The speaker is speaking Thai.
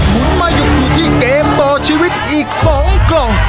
๑ล้าน